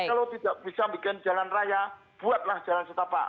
kalau tidak bisa bikin jalan raya buatlah jalan setapak